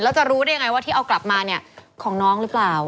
แล้วจะรู้ได้ยังไงว่าที่เอากลับมาเนี่ยของน้องหรือเปล่า